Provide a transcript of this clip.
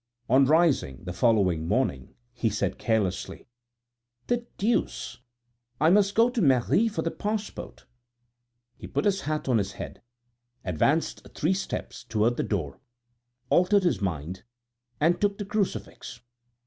On rising the following morning, he said carelessly: "The deuce! I must go to the Mairie for the passport." He put his hat on his head, advanced three steps toward the door, altered his mind and took the crucifix.